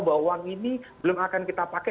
bawa uang ini belum akan kita pakai